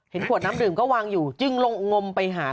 ขวดน้ำดื่มก็วางอยู่จึงลงงมไปหา